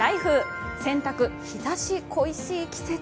洗濯日ざし恋しい季節。